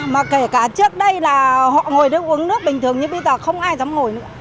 mà kể cả trước đây là họ ngồi để uống nước bình thường như bây giờ không ai dám ngồi nữa